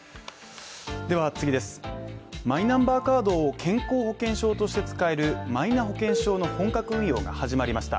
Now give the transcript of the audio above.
マイナンバーカードを健康保険証として使えるマイナ保険証の本格運用が始まりました。